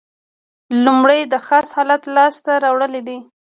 لومړی د خاص حالت لاس ته راوړل دي.